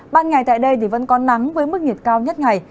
ban ngày tại đây thì vẫn có nắng với mức nhiệt cao nhất ngày